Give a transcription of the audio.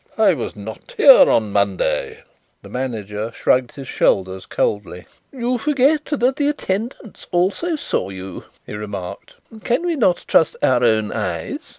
"I was not here on Monday." The manager shrugged his shoulders coldly. "You forget that the attendants also saw you," he remarked. "Cannot we trust our own eyes?"